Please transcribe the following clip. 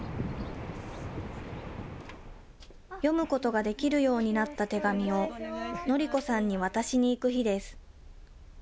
読むことができるようになった手紙を、紀子さんに渡しに行く日です。